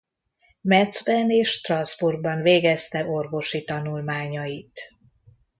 Metz-ben és Strasbourgban végezte orvosi tanulmányait.